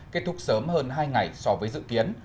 kết thúc sớm hơn hai ngày so với dự kiến